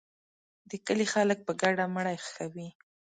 د کلي خلک په ګډه مړی ښخوي.